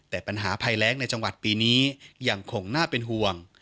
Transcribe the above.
แต่ปัญหาภัยแรงในจังหวัดปีนี้ยังคงน่าเป็นห่วง